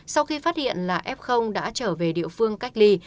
sau khi phát hiện là f đã trở về địa phương cách ly